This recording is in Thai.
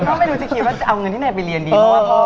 ก็ไม่รู้จะคิดว่าจะเอาเงินที่ไหนไปเรียนดี